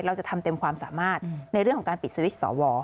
เราจะทำเต็มความสามารถในเรื่องของการปิดสวิตช์สว